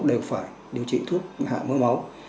đều phải điều trị thuốc hạ mỡ máu